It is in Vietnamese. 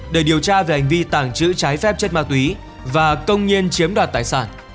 để điều tra về hành vi tàng trữ trái phép chất ma túy và công nhiên chiếm đoạt tài sản